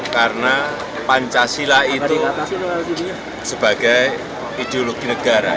karena pancasila itu sebagai ideologi negara